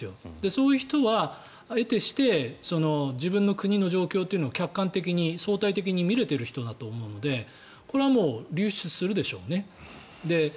そういう人は得てして自分の国の状況というのを客観的に相対的に見れている人だと思うのでこれはもう流出するでしょうね。